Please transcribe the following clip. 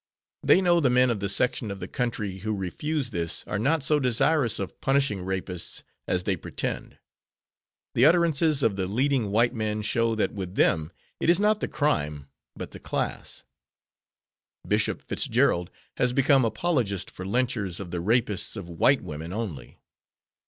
They know the men of the section of the country who refuse this are not so desirous of punishing rapists as they pretend. The utterances of the leading white men show that with them it is not the crime but the class. Bishop Fitzgerald has become apologist for lynchers of the rapists of white women only.